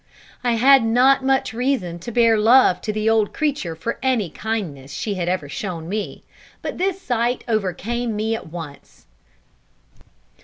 I had not much reason to bear love to the old creature for any kindness she had ever shown me, but this sight overcame me at once.